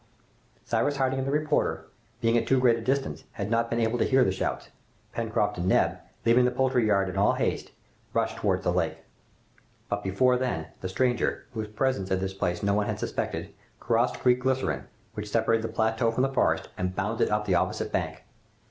Cyrus Harding and the reporter, being at too great a distance, had not been able to hear the shouts. Pencroft and Neb, leaving the poultry yard in all haste, rushed towards the lake. But before then, the stranger, whose presence at this place no one had suspected, crossed Creek Glycerine, which separated the plateau from the forest, and bounded up the opposite bank.